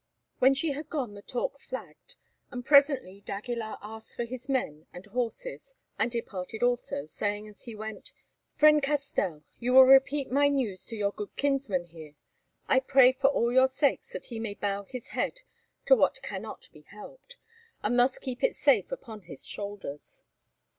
When she had gone the talk flagged, and presently d'Aguilar asked for his men and horses and departed also, saying as he went: "Friend Castell, you will repeat my news to your good kinsman here. I pray for all your sakes that he may bow his head to what cannot be helped, and thus keep it safe upon his shoulders."